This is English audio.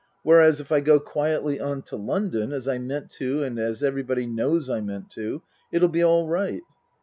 Whereas, if I go quietly on to London, as I meant to and as everybody knows I meant to, it'll be all right."